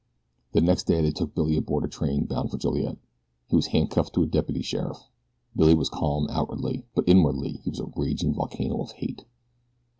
The next day they took Billy aboard a train bound for Joliet. He was handcuffed to a deputy sheriff. Billy was calm outwardly; but inwardly he was a raging volcano of hate.